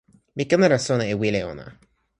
mi ken ala sona e wile ona.